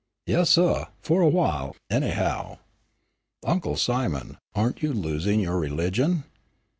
"Yes, suh, fu' a while, anyhow." "Uncle Simon, aren't you losing your religion?"